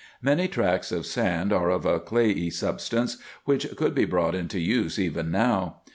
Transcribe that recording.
Many tracts of land are of a clayey substance, which could be brought into use even now.